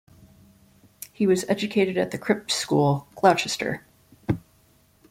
He was educated at The Crypt School, Gloucester.